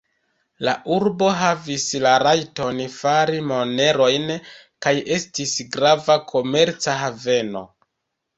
La urbo havis la rajton fari monerojn kaj estis grava komerca haveno.